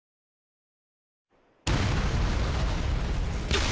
よっ！